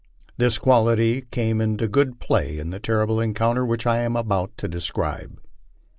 This quality came in good play in the terrible encounter which I am about to describe.